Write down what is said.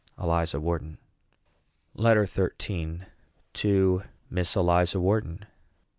ELIZA WHARTON. LETTER XIII. TO MISS ELIZA WHARTON.